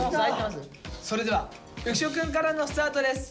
それでは浮所くんからのスタートです。